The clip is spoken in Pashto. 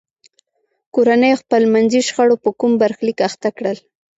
کورنیو خپلمنځي شخړو په کوم برخلیک اخته کړل.